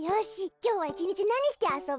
きょうはいちにちなにしてあそぶ？